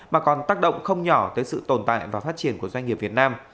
mà còn tác động không nhỏ tới sự tồn tại và phát triển của doanh nghiệp việt nam